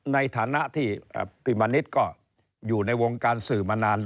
ในฐานะที่พิมพ์อันนี้ก็อยู่ในวงการสื่อมานาน